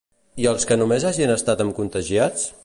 I als que només hagin estat amb contagiats?